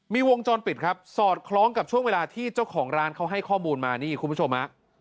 มีวงจรปิดครับสอดคล้องกับช่วงเวลาที่เจ้าของร้านเขาให้ข้อมูลมานี่คุณผู้ชมฮะ